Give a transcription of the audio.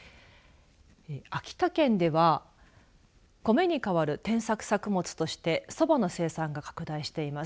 秋田県ではコメに変わる転作作物としてそばの生産が拡大しています。